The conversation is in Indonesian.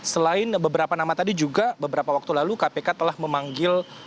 selain beberapa nama tadi juga beberapa waktu lalu kpk telah memanggil